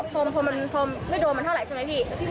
แต่ว่าในนี้พอไม่โดนมันเท่าไรใช่ไหมพี่